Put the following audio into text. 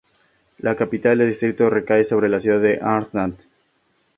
La capital del distrito recae sobre la ciudad de Arnstadt.